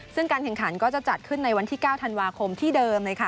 ซึ่งการแข่งขันก็จะจัดขึ้นในวันที่๙ธันวาคมที่เดิมนะคะ